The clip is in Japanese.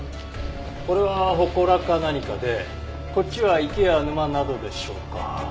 これは祠か何かでこっちは池や沼などでしょうか？